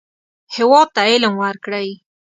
هېواد ته علم ورکړئ